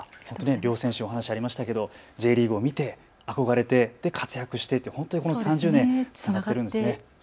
両選手お話ありましたけどＪリーグを見て憧れて活躍して、本当にこの３０年つながっているんですね。